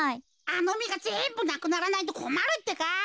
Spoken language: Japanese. あのみがぜんぶなくならないとこまるってか。